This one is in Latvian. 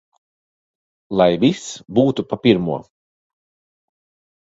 Lai viss būtu pa pirmo!